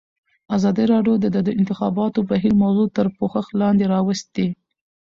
ازادي راډیو د د انتخاباتو بهیر موضوع تر پوښښ لاندې راوستې.